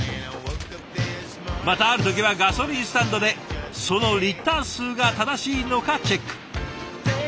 またある時はガソリンスタンドでそのリッター数が正しいのかチェック。